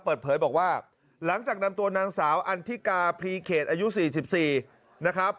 เปิดเผยบอกว่าหลังจากนำตัวนางสาวอันทิกาพรีเขตอายุ๔๔นะครับ